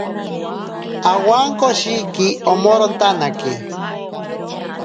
Awankoshiki omorotanake.